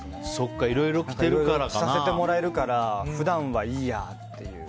いろいろ着させてもらえるから普段はいいやっていう。